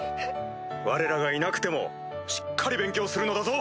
われらがいなくてもしっかり勉強するのだぞ！